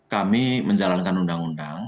kami menjalankan undang undang